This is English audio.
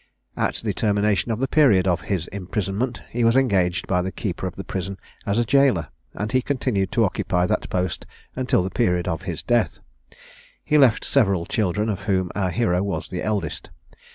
At the termination of the period of his imprisonment, he was engaged by the keeper of the prison as a gaoler, and he continued to occupy that post until the period of his death. He left several children, of whom our hero was the eldest.